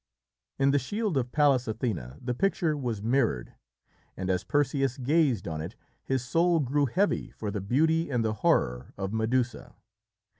In the shield of Pallas Athené the picture was mirrored, and as Perseus gazed on it his soul grew heavy for the beauty and the horror of Medusa.